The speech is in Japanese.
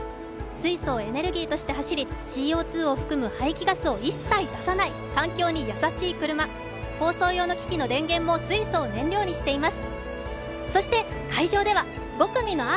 水素をエネルギーとして走り、ＣＯ２を含む排気ガスを一切出さない環境に優しい車、放送用の機器も電源も水素を燃料にしています。